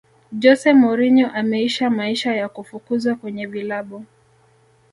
jose mourinho ameisha maisha ya kufukuzwa kwenye vilabu